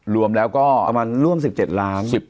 รวมแล้วก็ประมาณร่วม๑๗ล้าน